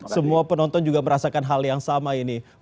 semua penonton juga merasakan hal yang sama ini